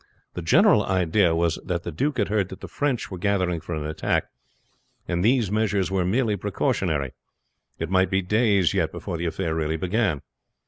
The general idea was that the duke had heard that the French were gathering for an attack, and these measures were merely precautionary. It might be days yet before the affair really began.